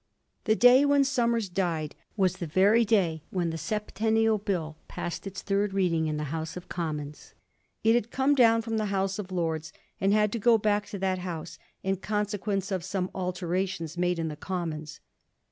The day when Somers died was the very day when the Septennial Bill passed its third reading in the House of Commons. It had come down from the House of Lords, and had to go back to that House, in consequence of some altera tions made in the Commons.